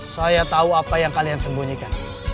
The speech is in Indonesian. saya tahu apa yang kalian sembunyikan